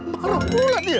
marah pula dia